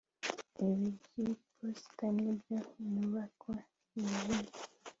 Ibiro byiposita ni iyo nyubako yijimye